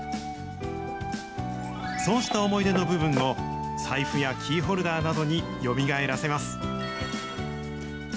そうした思い出の部分を、財布やキーホルダーなどによみがえらせます。